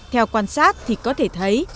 theo quan sát thì có thể thấy